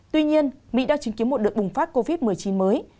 tuy nhiên mỹ đã chứng kiến một đợt bùng phát covid một mươi chín mới